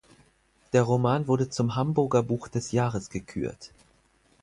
Der Roman wurde zum Hamburger Buch des Jahres gekürt.